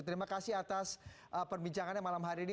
terima kasih atas perbincangannya malam hari ini